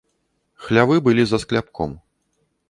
Хлявы былі за скляпком.